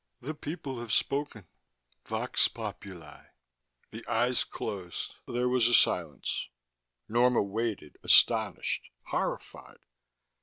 The people have spoken. Vox populi...." The eyes closed. There was a silence Norma waited, astonished, horrified.